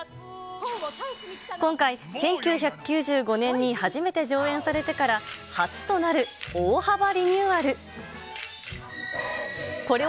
今回、１９９５年に初めて上演されてから初となる大幅リニューアル。